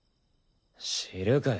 知るかよ。